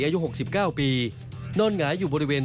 อายุ๖๙ปีนอนหงายอยู่บริเวณ